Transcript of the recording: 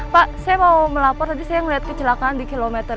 pak saya mau melapor tadi saya melihat kecelakaan di kilometer dua puluh